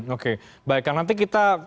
oke baik nanti kita